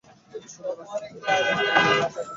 কৃষ্ণদয়াল আশ্চর্য হইয়া কহিলেন, ত্রিবেণী!